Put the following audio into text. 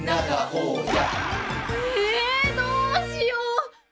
ええどうしよう！